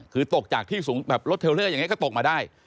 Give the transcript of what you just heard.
คือตกจากที่สูงแบบรถเทลเลอร์อย่างนี้ก็ตกมาได้